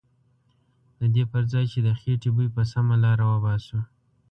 ددې پرځای چې د خیټې بوی په سمه لاره وباسو.